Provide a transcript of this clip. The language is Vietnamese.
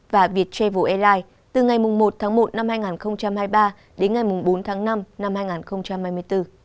và viettravel airlines từ ngày một tháng một năm hai nghìn hai mươi ba đến ngày bốn tháng năm năm hai nghìn hai mươi bốn